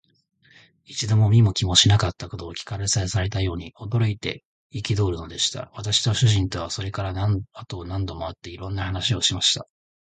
一度も見も聞きもしなかったことを聞かされたように、驚いて憤るのでした。私と主人とは、それから後も何度も会って、いろんな話をしました。